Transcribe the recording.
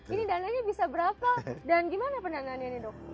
ini dananya bisa berapa dan gimana pendanaannya nih dok